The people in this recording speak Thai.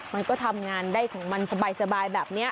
มันก็ทำงานได้ของมันสบายแบบนี้